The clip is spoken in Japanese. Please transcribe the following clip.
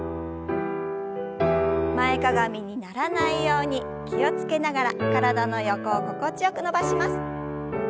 前かがみにならないように気を付けながら体の横を心地よく伸ばします。